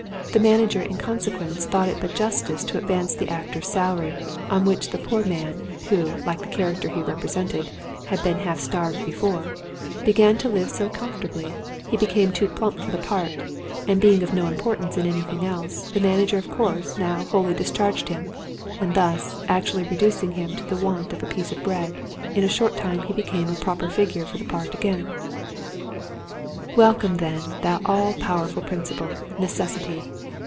The manager in consequence, thought it but justice to advance the actor's salary; on which the poor man (who, like the character he represented, had been half starved before) began to live so comfortably, he became too plump for the part; and being of no importance in any thing else, the manager of course now wholly discharged him—and thus, actually reducing him to the want of a piece of bread, in a short time he became a proper figure for the part again." Welcome, then, thou all powerful principle, NECESSITY!